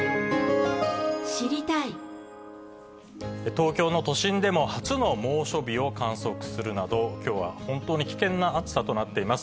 東京の都心でも初の猛暑日を観測するなど、きょうは本当に危険な暑さとなっています。